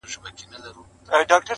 o اوس هره شپه خوب کي بلا وينمه.